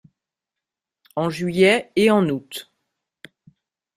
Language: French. En juillet et en août.